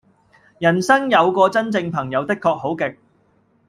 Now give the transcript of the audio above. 人生有個真正朋友的確好極